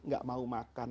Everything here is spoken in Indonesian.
gak mau makan